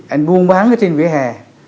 anh buôn bán ở trên vỉa hè